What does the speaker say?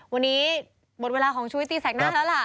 วันนี้หมดเวลาของชุวิตตีแสกหน้าแล้วล่ะ